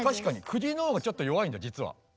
クギのほうがちょっと弱いんだじつは。